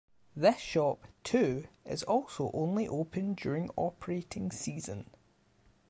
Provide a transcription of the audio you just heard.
This shop too is also only open during operating season.